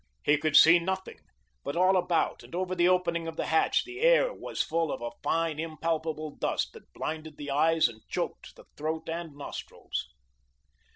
He could see nothing; but all about and over the opening of the hatch the air was full of a fine, impalpable dust that blinded the eyes and choked the throat and nostrils.